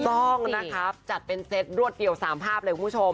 ซ่องจัดเป็นเซตรวดเดี่ยว๓ภาพเลยผู้ชม